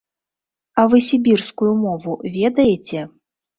А вы сібірскую мову ведаеце?